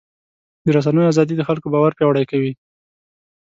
د رسنیو ازادي د خلکو باور پیاوړی کوي.